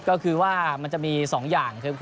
ก็คือว่ามันจะมี๒อย่างครับ